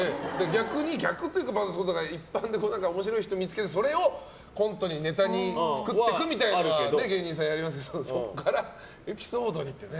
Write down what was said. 逆に、逆というか一般で面白い人を見つけてそれをコントにネタに作っていくのは芸人さんやりますけどそこからエピソードにってね。